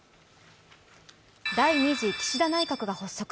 第２次岸田内閣が発足。